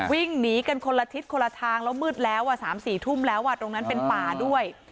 วิ่งหนีกันคนละทิศคนละทางแล้วมืดแล้ว๓๔ทุ่มแล้วตรงนั้นเป็นป่าด้วย